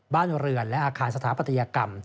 บ้านเรือนและอาคารสถาปัตยกรรม